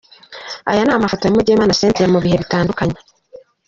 Aya ni amafoto ya Mugemana Cynthia mu bihe butandukanye.